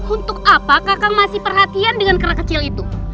untuk apa kakang masih perhatian dengan kera kecil itu